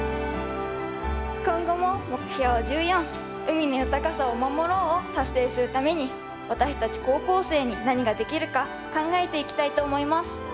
今後も目標１４「海の豊かさを守ろう」を達成するために私たち高校生に何ができるか考えていきたいと思います。